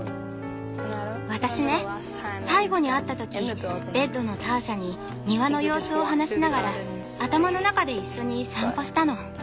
私ね最後に会った時ベッドのターシャに庭の様子を話しながら頭の中で一緒に散歩したの。